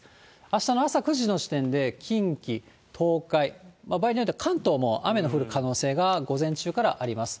あしたの朝９時の時点で近畿、東海、場合によっては、関東も雨の降る可能性が午前中からあります。